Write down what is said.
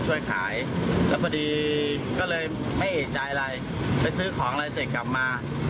ช่วยขายแล้วพอดีก็เลยไม่เอกใจอะไรไปซื้อของอะไรเสร็จกลับมา